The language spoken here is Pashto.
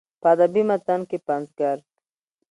په ادبي متن کې پنځګر